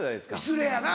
失礼やな。